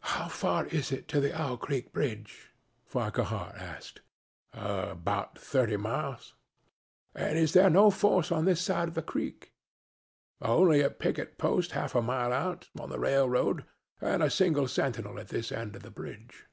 "How far is it to the Owl Creek bridge?" Farquhar asked. "About thirty miles." "Is there no force on this side the creek?" "Only a picket post half a mile out, on the railroad, and a single sentinel at this end of the bridge."